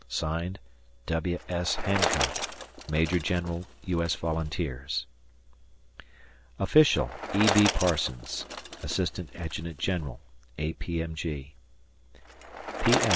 ... (Signed) W. S. Hancock, Maj. Genl. U. S. Vols. Official, E. B. Parsons, Assistant Adjutant General, A. P. M.